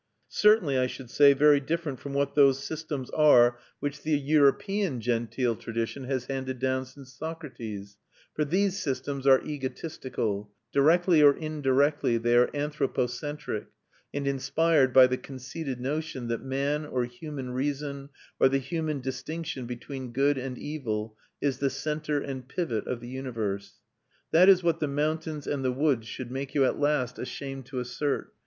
Certainly, I should say, very different from what those systems are which the European genteel tradition has handed down since Socrates; for these systems are egotistical; directly or indirectly they are anthropocentric, and inspired by the conceited notion that man, or human reason, or the human distinction between good and evil, is the centre and pivot of the universe. That is what the mountains and the woods should make you at last ashamed to assert.